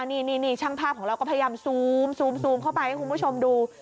นี่ช่างภาพของเราก็พยายามซูมเข้าไปให้คุณผู้ชมดู